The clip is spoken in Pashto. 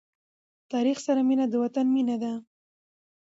تاریخ سره مینه د وطن مینه ده.